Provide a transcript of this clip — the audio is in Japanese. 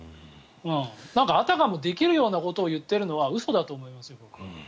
なんかあたかもできるかのようなことを言ってるのは嘘だと思いますよ。